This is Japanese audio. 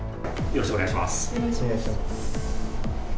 よろしくお願いします。